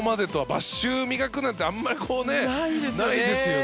バッシュを磨くなんてあまりないですよね。